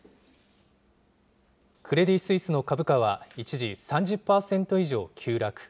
クレディ・スイスの株価は一時３０％以上急落。